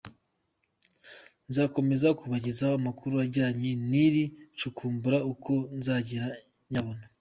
Nzakomeza kubagezaho amakuru ajyanye n’iri cukumbura, uko nzagenda nyabona.